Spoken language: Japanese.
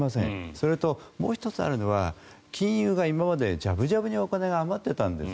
それと、もう１つあるのは金融が今までじゃぶじゃぶにお金が余っていたんです。